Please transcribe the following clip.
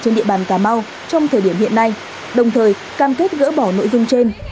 trên địa bàn cà mau trong thời điểm hiện nay đồng thời cam kết gỡ bỏ nội dung trên